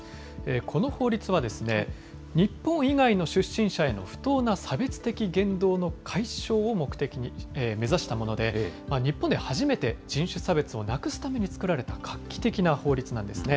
この法律は、日本以外の出身者への不当な差別的言動の解消を目的に、目指したもので、日本で初めて人種差別をなくすために作られた画期的な法律なんですね。